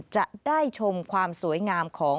จะได้ชมความสวยงามของ